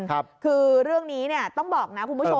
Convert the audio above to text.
คือเรื่องนี้เนี่ยต้องบอกนะคุณผู้ชม